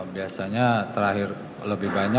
biasanya terakhir lebih banyak